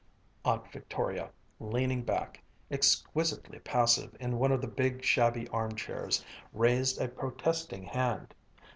Aunt Victoria, leaning back, exquisitely passive, in one of the big, shabby arm chairs, raised a protesting hand.